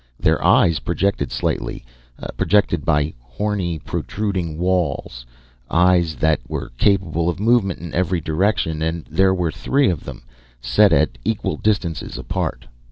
Their eyes projected slightly, protected by horny protruding walls eyes that were capable of movement in every direction and there were three of them, set at equal distances apart.